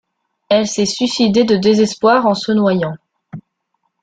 Elle s'est suicidée de désespoir en se noyant.